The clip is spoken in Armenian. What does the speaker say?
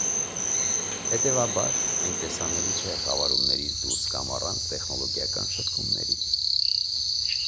Հետևաբար, այն տեսանելի չէ խավարումներից դուրս կամ առանց տեխնոլոգիական շտկումների։